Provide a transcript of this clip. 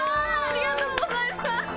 ありがとうございます！